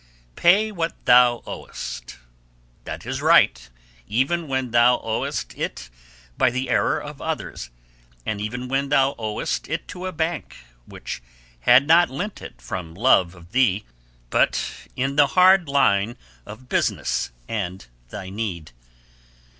"Pay what thou owest." That is right, even when thou owest it by the error of others, and even when thou owest it to a bank, which had not lent it from love of thee, but in the hard line of business and thy need.